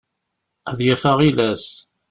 Ad yaf aɣilas.